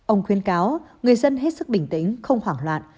ông khuyên cáo người dân hết sức bình tĩnh không hoảng loạn